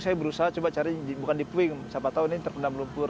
saya berusaha coba cari bukan di puing siapa tahu ini terpendam lumpur